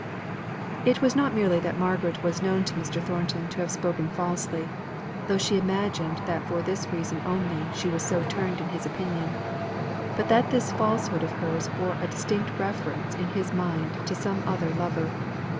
It was not merely that Margaret was known to Mr. Thornton to have spoken falsely, though she imagined that for this reason only was she so turned in his opinion, but that this falsehood of hers bore a distinct reference in his mind to some other lover.